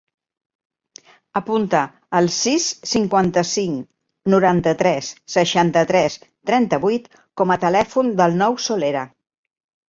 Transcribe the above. Apunta el sis, cinquanta-cinc, noranta-tres, seixanta-tres, trenta-vuit com a telèfon del Nouh Solera.